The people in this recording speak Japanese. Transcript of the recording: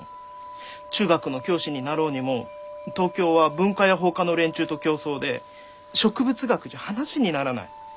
中学の教師になろうにも東京は文科や法科の連中と競争で植物学じゃ話にならない。